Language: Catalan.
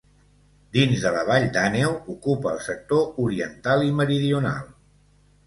Dins de la Vall d'Àneu, ocupa el sector oriental i meridional.